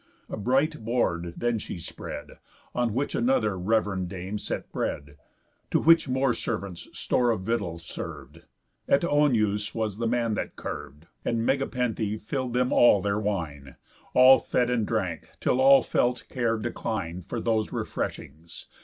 A bright board then she spread, On which another rev'rend dame set bread. To which more servants store of victuals serv'd. Eteonëus was the man that kerv'd, And Megapenthe fill'd them all their wine. All fed and drank, till all felt care decline For those refreshings.